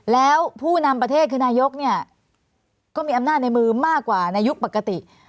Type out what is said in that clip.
แล้วผู้นำประเทศคือนายกเนี่ยก็มีอำนาจในมือมากกว่าในยุคปกติ